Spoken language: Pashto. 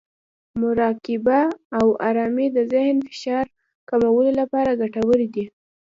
مراقبه او ارامۍ د ذهن د فشار کمولو لپاره ګټورې دي.